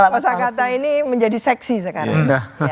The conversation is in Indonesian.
masa kata ini menjadi seksi sekarang